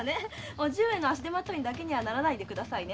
叔父上の足手まといだけにはならないでくださいね。